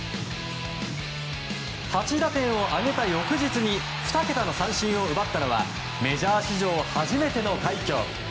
８打点を挙げた翌日に２桁の三振を奪ったのはメジャー史上初めての快挙。